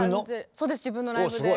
そうです自分のライブで。